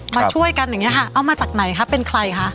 มาช่วยกันเอามาจากในคะเป็นใครคะ